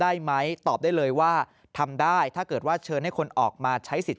ได้ไหมตอบได้เลยว่าทำได้ถ้าเกิดว่าเชิญให้คนออกมาใช้สิทธิ